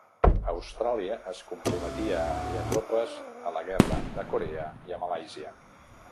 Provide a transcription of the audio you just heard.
Austràlia es comprometia a enviar tropes a la Guerra de Corea i a Malàisia.